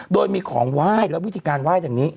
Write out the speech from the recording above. โดยมีของไหว้และวิธีการไหว้ดังนี้